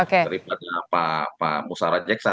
terima kasih pak musara jeksa